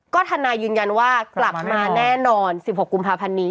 ก็ท่านายุญญาณว่ากลับมาแน่นอน๑๖กุมภาพันธุ์นี้